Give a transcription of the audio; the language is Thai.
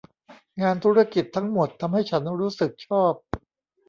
งานธุรกิจทั้งหมดทำให้ฉันรู้สึกชอบ